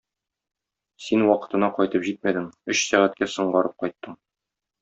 Син вакытына кайтып җитмәдең, өч сәгатькә соңгарып кайттың.